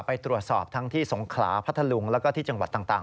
ไปตรวจสอบทั้งที่สงขลาพัทธลุงแล้วก็ที่จังหวัดต่าง